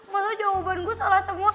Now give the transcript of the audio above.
maksudnya jawaban gue salah semua